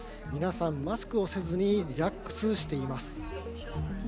皆さん、マスクをせずにリラックスしています。